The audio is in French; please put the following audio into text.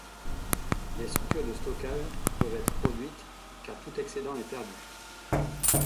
Des structures de stockage peuvent être produites car tout excédent est perdu.